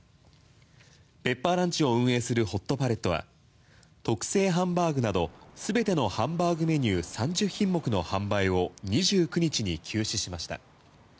ペッパーランチ運営するホットパレットは特製ハンバーグなどすべてのハンバーグメニュー３０品目の販売を２９日に休止しました。